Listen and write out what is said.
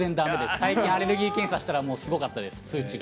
最近アレルギー検査したら、すごかったです、数値が。